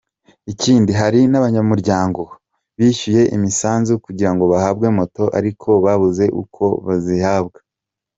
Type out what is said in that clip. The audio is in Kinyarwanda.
Ikindi hari n’abanyamuryango bishyuye imisanzu kugira ngo bahabwe moto ariko babuze uko bazihabwa.